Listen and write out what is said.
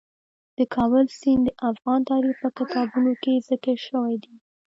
د کابل سیند د افغان تاریخ په کتابونو کې ذکر شوی دي.